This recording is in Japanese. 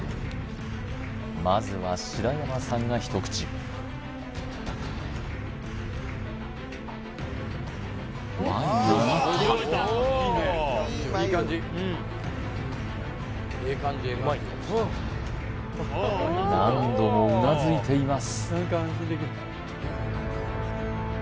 まずは白山さんが一口眉が上がった何度もうなずいています